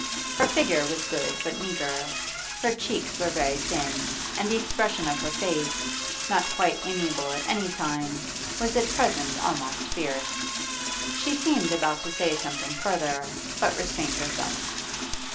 Her figure was good but meagre; her cheeks were very thin, and the expression of her face, not quite amiable at any time, was at present almost fierce. She seemed about to say something further, but restrained herself.